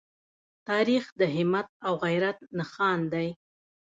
تاریخ د همت او غیرت نښان دی.